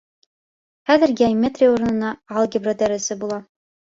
Хәҙер геометрия урынына алгебра дәресе була